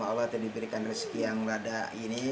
kalau tidak dapat dan diberikan rezeki yang rada ini